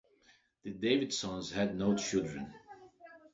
The Davidsons had no children.